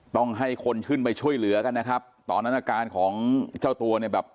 ต้องให้คนขึ้นไปช่วยเหลือกันนะครับตอนนั้นอาการของเจ้าตัวเนี่ยแบบ